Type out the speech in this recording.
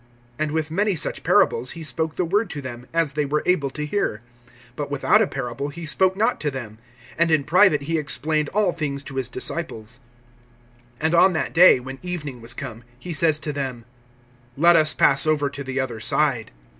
(33)And with many such parables he spoke the word to them, as they were able to hear. (34)But without a parable he spoke not to them; and in private he explained all things to his disciples. (35)And on that day, when evening was come, he says to them: Let us pass over to the other side.